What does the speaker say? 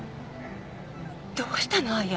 どうしたの亜矢。